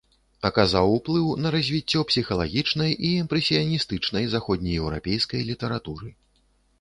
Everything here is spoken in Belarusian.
Аказаў ўплыў на развіццё псіхалагічнай і імпрэсіяністычнай заходнееўрапейскай літаратуры.